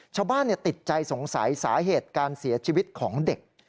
ชาวบ้านติดใจสงสัยสาเหตุการเสียชีวิตของเด็ก